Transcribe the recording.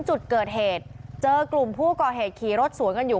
จุดเกิดเหตุเจอกลุ่มผู้ก่อเหตุขี่รถสวนกันอยู่